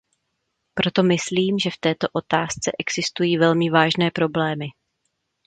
Proto myslím, že v této otázce existují velmi vážné problémy.